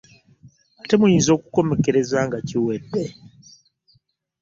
Ate muyinza okukomekerera nga kiwedde .